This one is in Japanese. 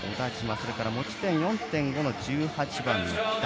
それから持ち点４．５の１８番の北田